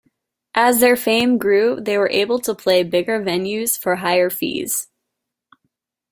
As their fame grew they were able to play bigger venues for higher fees.